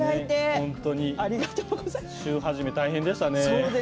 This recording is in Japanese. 本当に週初め大変でしたね。